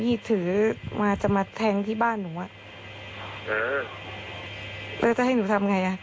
แล้วจะให้หนูทำยังไงอ่ะ